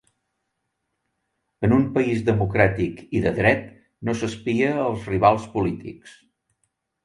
En un país democràtic i de dret no s’espia els rivals polítics.